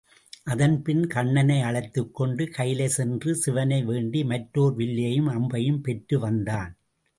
அதன்பின் கண்ணனை அழைத்துக் கொண்டு கயிலை சென்று சிவனை வேண்டி மற்றோர் வில்லையும் அம்பையும் பெற்று வந்தான்.